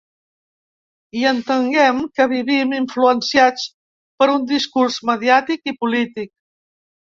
I entenguem que vivim influenciats per un discurs mediàtic i polític.